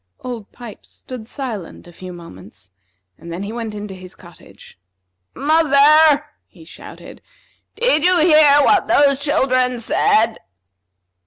Old Pipes stood silent a few moments, and then he went into his cottage. "Mother," he shouted; "did you hear what those children said?"